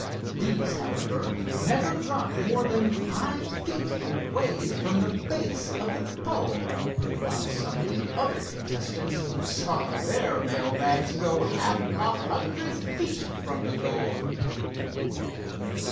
These, however, never dropped more than five feet away from the base of the pole, while some of the other contestants saw their mail bags go half a hundred feet from the goal.